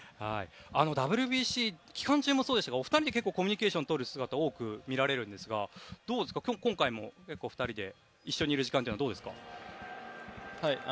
ＷＢＣ期間中もそうでしたがお二人で結構コミュニケーションをとる姿が多く見られるんですが今回も、２人で一緒にいる時間はどうですか？